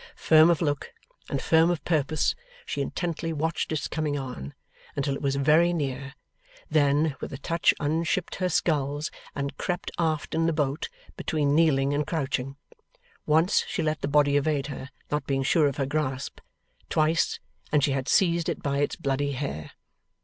Firm of look and firm of purpose, she intently watched its coming on, until it was very near; then, with a touch unshipped her sculls, and crept aft in the boat, between kneeling and crouching. Once, she let the body evade her, not being sure of her grasp. Twice, and she had seized it by its bloody hair.